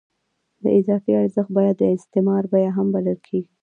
د اضافي ارزښت بیه د استثمار بیه هم بلل کېږي